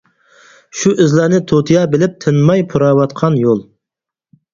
شۇ ئىزلارنى تۇتىيا بىلىپ، تىنماي پۇراۋاتقان يول.